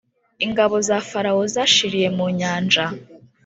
ingabo za farawo zashiriye mu Nyanja